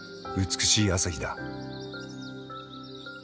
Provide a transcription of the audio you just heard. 美しい朝日だ。